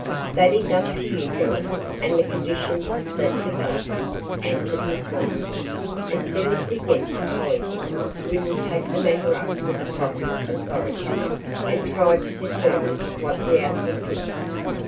"That is up to you girls and the conditions that develop," answered Miss Ladd. "As soon as we get to Hollyhill we will take the matter up with the proper authorities and try to determine what the outlook is."